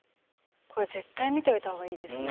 これ絶対見ておいた方がいいですね。